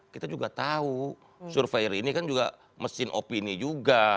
kita juga tahu survei ini kan juga mesin opini juga